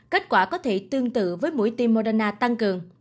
kết quả có thể tương tự với mũi tim moderna tăng cường